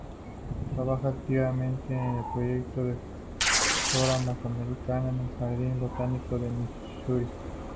Trabaja activamente en el Proyecto de Flora Mesoamericana, en el Jardín botánico de Missouri.